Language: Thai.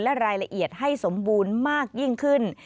และรายละเอียดให้สมบูรณ์มากยิ่งขึ้น